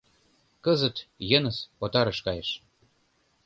Кызыт Йыныс отарыш кайыш.